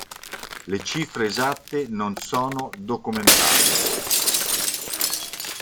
Le cifre esatte non sono documentate.